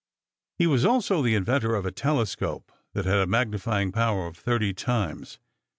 He was also the inventor of a telescope that had a magnifying power of thirty times.